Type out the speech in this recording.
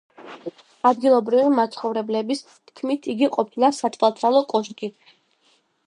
ადგილობრივი მაცხოვრებლების თქმით იგი ყოფილა სათვალთვალო კოშკი.